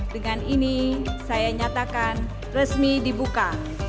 dengan ini saya nyatakan resmi dibuka